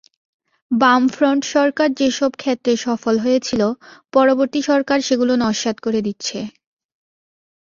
বামফ্রন্ট সরকার যেসব ক্ষেত্রে সফল হয়েছিল, পরবর্তী সরকার সেগুলো নস্যাৎ করে দিচ্ছে।